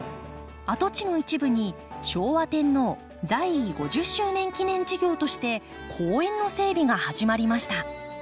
跡地の一部に昭和天皇在位５０周年記念事業として公園の整備が始まりました。